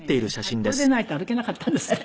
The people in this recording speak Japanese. これでないと歩けなかったんですって。